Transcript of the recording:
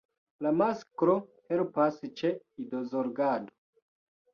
La masklo helpas ĉe idozorgado.